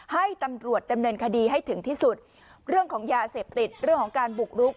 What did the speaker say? ให้ตำรวจดำเนินคดีให้ถึงที่สุดเรื่องของยาเสพติดเรื่องของการบุกรุก